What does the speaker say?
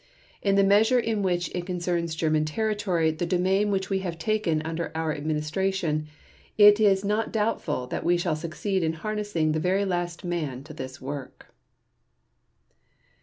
In the measure in which it concerns German territory, the domain which we have taken under our administration, it is not doubtful that we shall succeed in harnessing the very last man to this work."